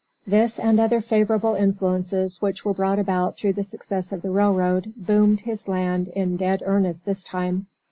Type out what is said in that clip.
This and other favorable influences which were brought about through the success of the railroad, 'boomed' his land in dead earnest this time.